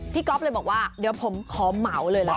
ก๊อฟเลยบอกว่าเดี๋ยวผมขอเหมาเลยละกัน